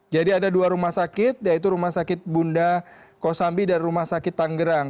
jadi ada dua rumah sakit yaitu rumah sakit bunda kosambi dan rumah sakit tangerang